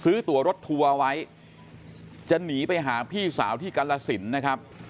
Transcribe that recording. ตัวรถทัวร์ไว้จะหนีไปหาพี่สาวที่กรสินนะครับ